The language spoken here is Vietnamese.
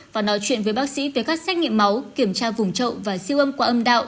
và nói chuyện với bác sĩ về các xét nghiệm máu kiểm tra vùng trậu và siêu âm qua âm đạo